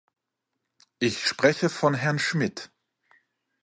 Ich spreche von Herrn Schmitt.